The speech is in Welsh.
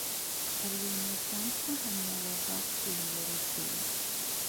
Arweiniodd gant a hanner o farchfilwyr i'r ffin.